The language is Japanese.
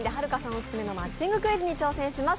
オススメのマッチングクイズに挑戦します。